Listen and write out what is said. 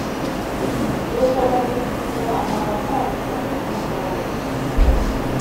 Nuko bamushyirira amatandiko ku ndogobe